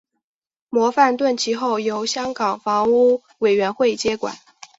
模范邨其后由香港房屋委员会接管。